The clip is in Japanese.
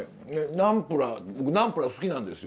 ナンプラー僕ナンプラー好きなんですよ